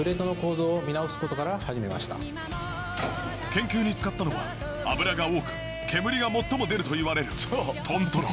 研究に使ったのは脂が多く煙が最も出るといわれる豚トロ。